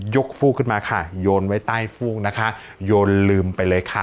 ฟูกขึ้นมาค่ะโยนไว้ใต้ฟูกนะคะโยนลืมไปเลยค่ะ